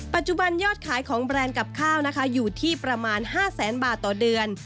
ปัจจุบันยอดขายของแบรนด์กับข้าวนะคะอยู่ที่ประมาณ๕แสนบาทต่อเดือน